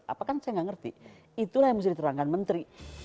apakah saya nggak ngerti itulah yang mesti diterangkan menteri